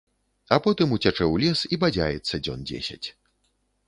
А потым уцячэ ў лес і бадзяецца дзён дзесяць.